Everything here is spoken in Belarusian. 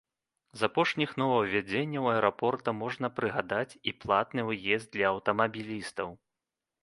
З апошніх новаўвядзенняў аэрапорта можна прыгадаць і платны ўезд для аўтамабілістаў.